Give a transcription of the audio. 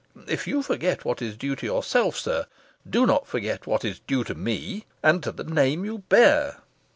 If you forget what is due to yourself, sir, do not forget what is due to me, and to the name you bear."